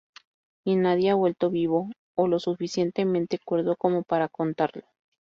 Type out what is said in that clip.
Y nadie ha vuelto vivo o lo suficientemente cuerdo como para contarlo.